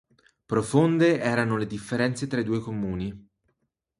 Profonde erano le differenze tra i due comuni.